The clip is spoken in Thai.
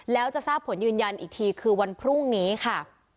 แล้วจะทราบผลยืนยันอีกทีคือวันพรุ่งนี้ค่ะ